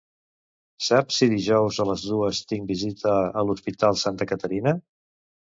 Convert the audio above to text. Saps si dijous a les dues tinc visita a l'hospital Santa Caterina?